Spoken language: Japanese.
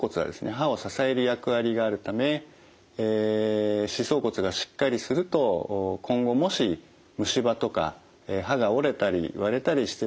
歯を支える役割があるため歯槽骨がしっかりすると今後もし虫歯とか歯が折れたり割れたりしてですね